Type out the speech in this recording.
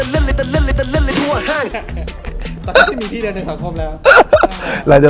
ตอนนี้ไม่มีที่เดินที่สำคัญแล้ว